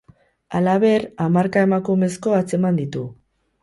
Halaber, hamarka emakumezko atzeman ditu.